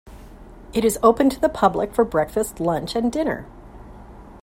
It is open to the public for breakfast, lunch and dinner.